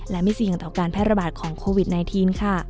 และไม่เสี่ยงต่อการแพร่ระบาดของโควิด๑๙ค่ะ